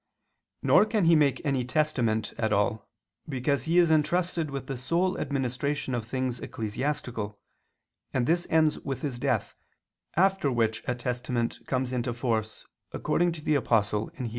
Nor can he make any testament at all, because he is entrusted with the sole administration of things ecclesiastical, and this ends with his death, after which a testament comes into force according to the Apostle (Heb.